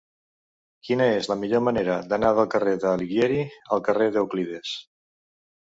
Quina és la millor manera d'anar del carrer d'Alighieri al carrer d'Euclides?